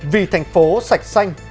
vì thành phố sạch xanh